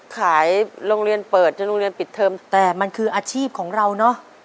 ขายโรงเรียนเปิดจนโรงเรียนปิดเทอมแต่มันคืออาชีพของเราเนอะ